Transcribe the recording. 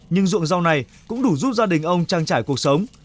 nhưng ruộng rau này cũng đủ giúp gia đình ông trang trải cuộc sống